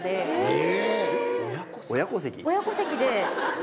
え！